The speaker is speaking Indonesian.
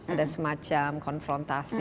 ada semacam konfrontasi